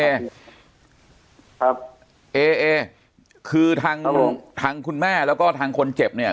เอครับเอเอคือทางทางคุณแม่แล้วก็ทางคนเจ็บเนี่ย